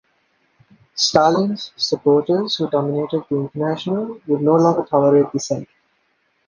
Stalin's supporters, who dominated the International, would no longer tolerate dissent.